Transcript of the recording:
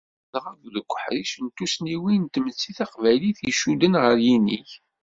Ladɣa deg uḥric n tussniwin n tmetti taqbaylit, i icudden ɣer yinig.